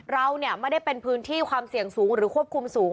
เราไม่ได้เป็นพื้นที่ความเสี่ยงสูงหรือควบคุมสูง